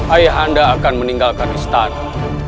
ayah anda akan meninggalkan istana